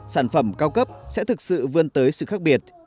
sản phẩm cao cấp sẽ thực sự vươn tới sự khác biệt